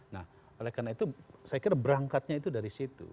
nah oleh karena itu saya kira berangkatnya itu dari situ